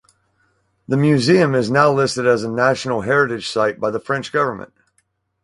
The museum is now listed as a National Heritage site by the French Government.